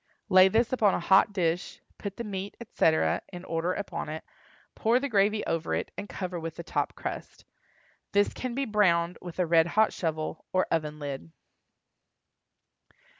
Lay this upon a hot dish, put the meat, etc., in order upon it, pour the gravy over it, and cover with the top crust. This can be browned with a red hot shovel, or oven lid.